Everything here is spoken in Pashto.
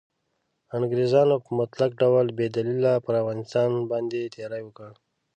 انګریزانو په مطلق ډول بې دلیله پر افغانستان باندې تیری وکړ.